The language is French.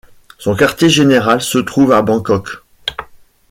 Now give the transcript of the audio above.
Son quartier-général se trouve à Bangkok.